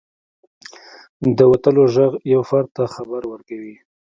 • د وتلو ږغ یو فرد ته خبر ورکوي.